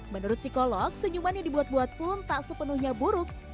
menurut psikolog senyuman yang dibuat buat pun tak sepenuhnya buruk